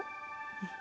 うん。